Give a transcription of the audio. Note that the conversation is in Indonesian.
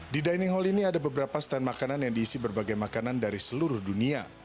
di dining hall ini ada beberapa stand makanan yang diisi berbagai makanan dari seluruh dunia